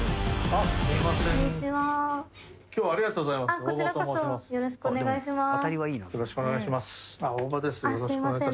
ありがとうございます。